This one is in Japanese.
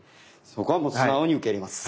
そこはもう素直に受け入れます。